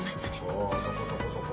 そうそこそこそこ。